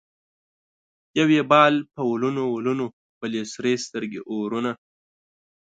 یو یې بال په ولونه ولونه ـ بل یې سرې سترګې اورونه